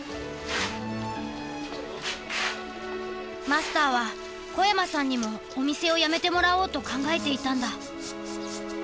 マスターは小山さんにもお店を辞めてもらおうと考えていたんだ。